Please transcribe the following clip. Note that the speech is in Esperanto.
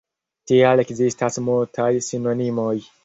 Tial ekzistas multaj sinonimoj.